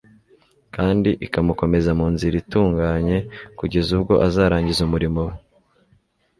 kandi ikamukomeza mu nzira itunganye, kugeza ubwo azarangiza umurimo we.